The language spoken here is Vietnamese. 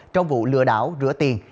trong vụ lừa đảo rửa tiền